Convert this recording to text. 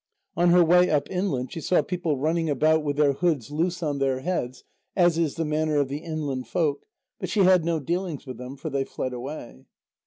On her way up inland she saw people running about with their hoods loose on their heads, as is the manner of the inland folk, but she had no dealings with them, for they fled away.